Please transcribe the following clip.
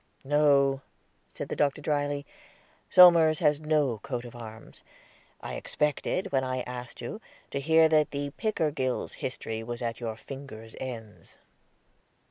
"No," said the Doctor dryly; "Somers has no coat of arms. I expected, when I asked you, to hear that the Pickergills' history was at your fingers' ends."